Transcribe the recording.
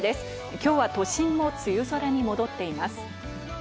きょうは都心も梅雨空に戻っています。